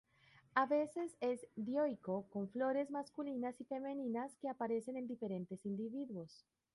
A veces es dioico, con flores masculinas y femeninas que aparecen en diferentes individuos.